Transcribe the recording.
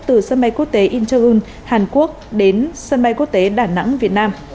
từ sân bay quốc tế incheon hàn quốc đến sân bay quốc tế đà nẵng việt nam